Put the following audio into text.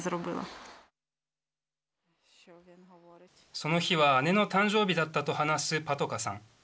その日は姉の誕生日だったと話すパトカさん。